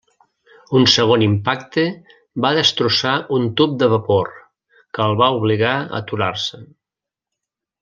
Un segon impacte va destrossar un tub de vapor, que el va obligar a aturar-se.